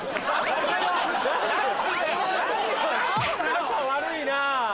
仲悪いな。